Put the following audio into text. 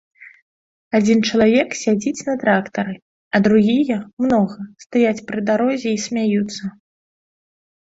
Адзін чалавек сядзіць на трактары, а другія, многа, стаяць пры дарозе і смяюцца.